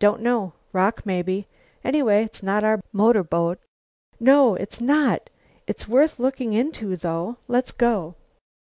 "Don't know. Rock maybe. Anyway, it's not our motorboat." "No, it's not. It's worth looking into, though. Let's go."